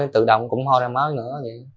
tự động cũng hoa ra máu nữa